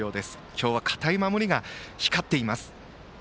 今日は堅い守りが光っています。